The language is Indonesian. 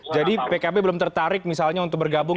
jadi pkb belum tertarik misalnya untuk bergabung